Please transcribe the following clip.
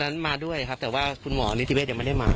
นั้นมาด้วยครับแต่ว่าคุณหมอนิติเวศยังไม่ได้มา